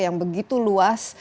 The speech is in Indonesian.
yang begitu luas